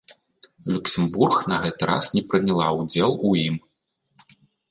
Люксембург на гэты раз не прыняла ўдзел у ім.